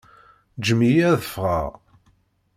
Ǧǧem-iyi ad ffɣeɣ!